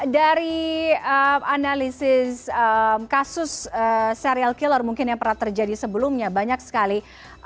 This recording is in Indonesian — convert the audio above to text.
dari analisis kasus serial killer mungkin yang pernah terjadi sebelumnya banyak sekali